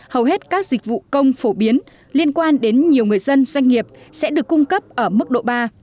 hầu hết các dịch vụ công phổ biến liên quan đến nhiều người dân doanh nghiệp sẽ được cung cấp ở mức độ ba